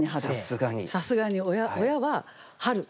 さすがに親は春。